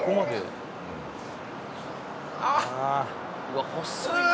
「うわ細いな」